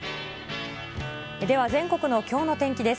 では全国のきょうの天気です。